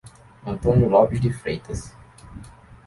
Antônio Lopes de Freitas